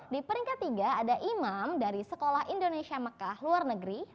di peringkat tiga ada imam dari sekolah indonesia mekah luar negeri